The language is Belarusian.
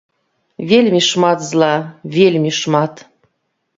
Вельмі шмат зла, вельмі шмат.